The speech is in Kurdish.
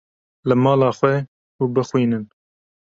li mala xwe û bixwînin.